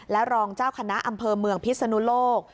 และรองเจ้าคณะอำเภอเมืองพิศนุโลก